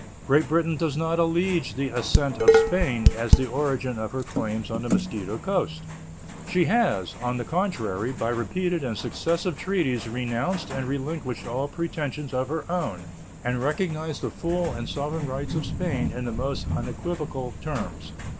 Great Britain does not allege the assent of Spain as the origin of her claims on the Mosquito Coast. She has, on the contrary, by repeated and successive treaties renounced and relinquished all pretensions of her own and recognized the full and sovereign rights of Spain in the most unequivocal terms.